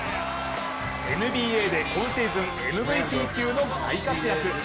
ＮＢＡで今シーズンＭＶＰ級の大活躍。